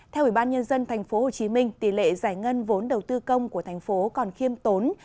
theo ủy ban nhân dân thành phố hồ chí minh tỷ lệ giải ngân vốn đầu tư công của thành phố còn khiêm tốn